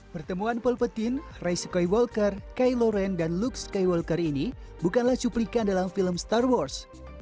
pertemuan paul petin ray skowalker kay loren dan luke skowalker ini bukanlah cuplikan dalam film star wars